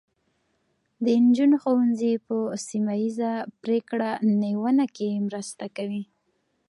د نجونو ښوونځي په سیمه ایزه پرېکړه نیونه کې مرسته کوي.